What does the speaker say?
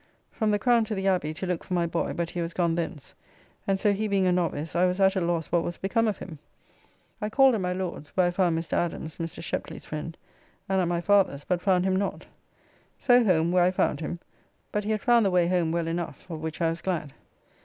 From the Crown to the Abbey to look for my boy, but he was gone thence, and so he being a novice I was at a loss what was become of him. I called at my Lord's (where I found Mr. Adams, Mr. Sheply's friend) and at my father's, but found him not. So home, where I found him, but he had found the way home well enough, of which I was glad.